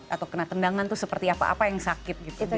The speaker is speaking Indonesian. atau kena tendangan itu seperti apa apa yang sakit gitu